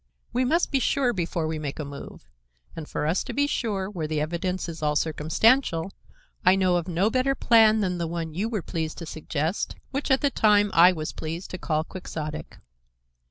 We must be sure before we make a move, and for us to be sure where the evidence is all circumstantial, I know of no better plan than the one you were pleased to suggest, which, at the time, I was pleased to call quixotic."